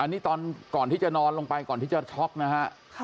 นี่ตอนก่อนที่จะนอนลงไปก่อนที่จะช็อกนะฮะ